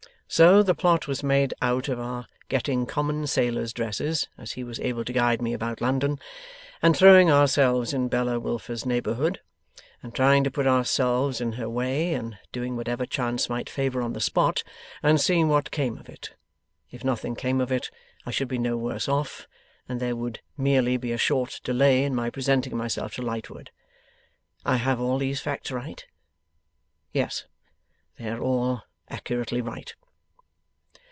So the plot was made out of our getting common sailors' dresses (as he was able to guide me about London), and throwing ourselves in Bella Wilfer's neighbourhood, and trying to put ourselves in her way, and doing whatever chance might favour on the spot, and seeing what came of it. If nothing came of it, I should be no worse off, and there would merely be a short delay in my presenting myself to Lightwood. I have all these facts right? Yes. They are all accurately right.